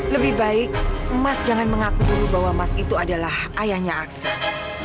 lebih baik emas jangan mengaku dulu bahwa mas itu adalah ayahnya aksen